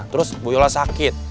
terus bu yola sakit